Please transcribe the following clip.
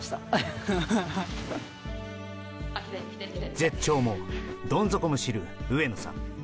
絶頂もどん底も知る上野さん。